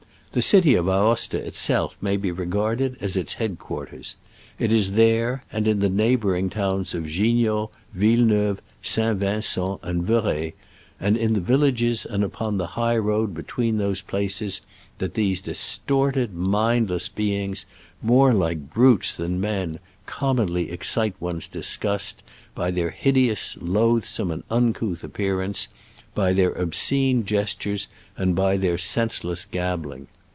The city of Aosta itself may be regarded as its head quarters. It is there, and in the neighboring towns of Gignod, Ville neuve, St. Vincent and Verrex, and in the villages and upon the high road be tween those places, that these distorted, mindless beings, more like brutes than men, commonly excite one's disgust by their hideous, loathsome and uncouth appearance, by their obscene gestures and by their senseless gabbling.